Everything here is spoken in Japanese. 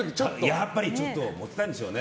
やっぱりちょっとモテたいんでしょうね。